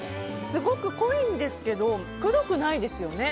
すごく濃いんですけどくどくないですよね。